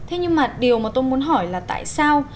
thế nhưng mà điều mà tôi muốn hỏi là tại sao